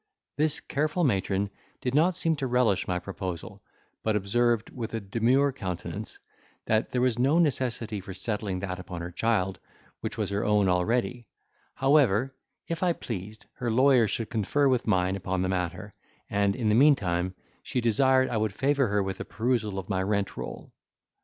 This careful matron did not seem to relish my proposal, but observed, with a demure countenance, that there was no necessity for settling that upon her child which was her own already; however, if I pleased, her lawyer should confer with mine upon the matter; and, in the meantime, she desired I would favour her with a perusal of my rent roll.